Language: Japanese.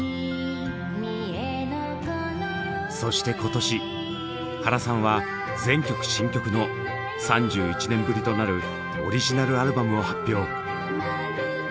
そして今年原さんは全曲新曲の３１年ぶりとなるオリジナルアルバムを発表。